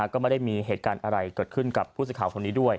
ก็ไม่ได้มีเหตุการณ์อะไรเกิดขึ้นกับผู้สื่อข่าวคนนี้ด้วย